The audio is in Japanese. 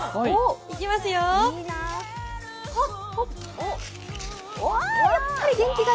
いきますよ、ほっ。